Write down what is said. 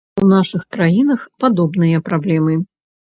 У нашых краінах падобныя праблемы.